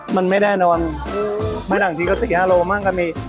มันไม่แน่นอนไม่ต่างทีก็๔๕โลมั่งก็มี